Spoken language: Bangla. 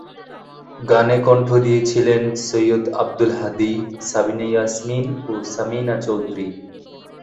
গানে কণ্ঠ দিয়েছিলেন সৈয়দ আব্দুল হাদী, সাবিনা ইয়াসমিন ও সামিনা চৌধুরী।